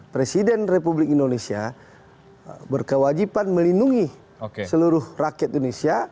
presiden republik indonesia berkewajiban melindungi seluruh rakyat indonesia